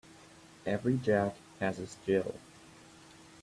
Every Jack has his Jill